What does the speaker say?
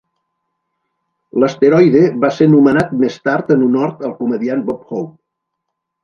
L'asteroide va ser nomenat més tard en honor al comediant Bob Hope.